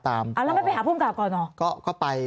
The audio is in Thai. แล้วไม่ไปหาผู้มกราบก่อนเหรอ